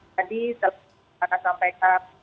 kita akan sampaikan